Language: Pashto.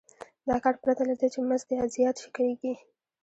دا کار پرته له دې چې مزد زیات شي کېږي